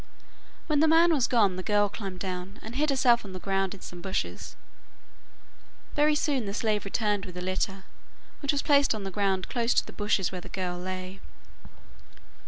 When the man was gone, the girl climbed down, and hid herself on the ground in some bushes. Very soon the slave returned with the litter, which was placed on the ground close to the bushes where the girl lay.